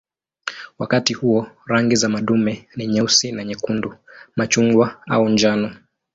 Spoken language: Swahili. Wakati huo rangi za madume ni nyeusi na nyekundu, machungwa au njano.